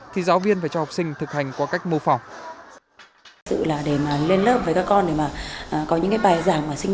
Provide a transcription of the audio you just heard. thì giáo viên phải cho học sinh thực hành qua cách mô phỏng